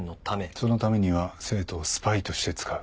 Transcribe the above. そのためには生徒をスパイとして使う。